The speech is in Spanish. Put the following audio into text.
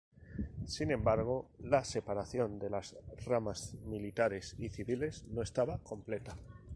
Sin embargo, la separación de las ramas militares y civiles no estaba completa.